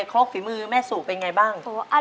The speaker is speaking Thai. โค๊กฝีมือแม่สูกเป็นยังยังไงบ้าง